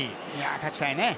勝ちたいね。